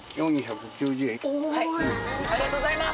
ありがとうございます。